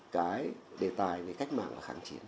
cái đề tài về cách mạng và kháng chiến